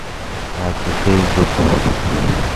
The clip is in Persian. مدرسه ذکور